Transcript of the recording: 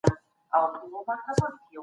دغه کڅوڼه زما ملګري ته ډېره ګټوره وه.